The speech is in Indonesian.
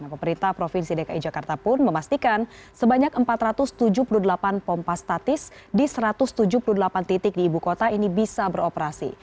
pemerintah provinsi dki jakarta pun memastikan sebanyak empat ratus tujuh puluh delapan pompa statis di satu ratus tujuh puluh delapan titik di ibu kota ini bisa beroperasi